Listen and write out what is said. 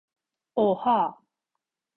Oha!